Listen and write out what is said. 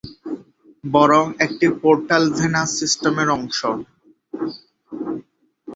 বরং এটি একটি পোর্টাল ভেনাস সিস্টেমের অংশ।